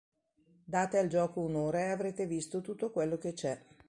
Date al gioco un'ora e avrete visto tutto quello che c'è".